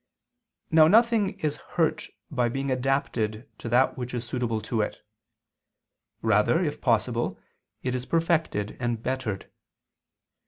Now nothing is hurt by being adapted to that which is suitable to it; rather, if possible, it is perfected and bettered.